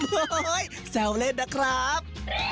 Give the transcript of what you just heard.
เฮ้เฮ้เสี่ยวเล่นนะครับ